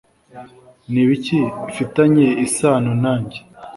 Ni ibiki bifitanye isano nanjye?